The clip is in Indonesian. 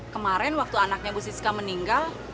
kemarin waktu anaknya bu siska meninggal